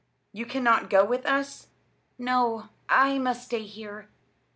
"You cannot go with us!" "No. I must stay here."